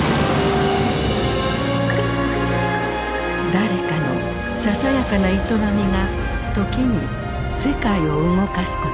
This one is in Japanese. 誰かのささやかな営みが時に世界を動かすことがある。